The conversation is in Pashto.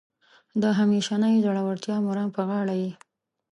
د همیشنۍ زړورتیا مرام په غاړه یې.